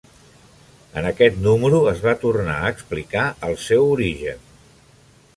En aquest número es va tornar a explicar el seu origen.